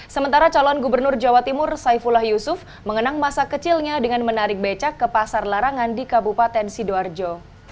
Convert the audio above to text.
sementara calon gubernur jawa timur saifullah yusuf mengenang masa kecilnya dengan menarik becak ke pasar larangan di kabupaten sidoarjo